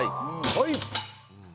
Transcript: はい。